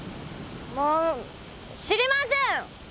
もう知りません！